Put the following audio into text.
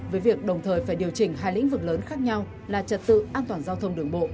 với việc đồng thời phải điều chỉnh hai lĩnh vực lớn khác nhau là trật tự an toàn giao thông đường bộ